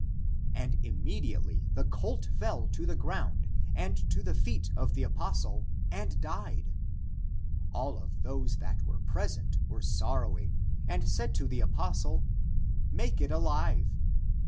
And immediately the colt fell to the ground and to the feet of the apostle and died. All of those that were present were sorrowing, and said to the apostle, " Make it alive."